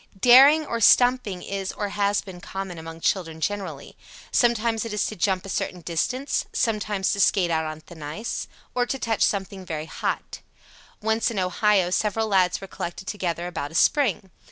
Daring or "stumping" is or has been common among children generally. Sometimes it is to jump a certain distance; sometimes to skate out on thin ice; again, to touch something very hot. Once in Ohio several lads were collected together about a spring.